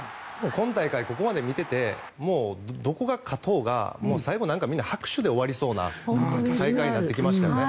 今大会、ここまで見ててどこが勝とうが最後、みんな拍手で終わりそうな大会になってきましたね。